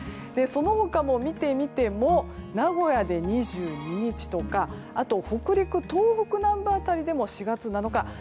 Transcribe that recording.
その他も見てみても名古屋で２２日とかあとは北陸、東北南部辺りでも４月７日。